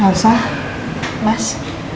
gak usah mas